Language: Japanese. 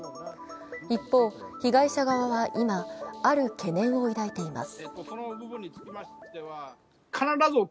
一方、被害者側は今、ある懸念を抱いています。